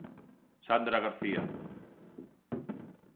Sandra García.